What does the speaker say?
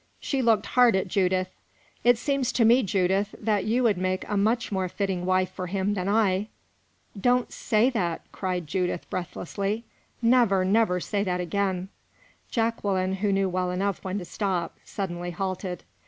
She looked hard at Judith. "It seems to me, Judith, that you would make a much more fitting wife for him than I." "Don't say that!" cried Judith, breathlessly. "Never, never say that again!" Jacqueline, who knew well enough when to stop, suddenly halted.